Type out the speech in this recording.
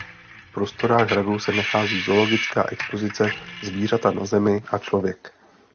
V prostorách hradu se nachází zoologická expozice "Zvířata na Zemi a člověk".